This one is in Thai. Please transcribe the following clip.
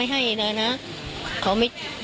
เป็นวันที่๑๕ธนวาคมแต่คุณผู้ชมค่ะกลายเป็นวันที่๑๕ธนวาคม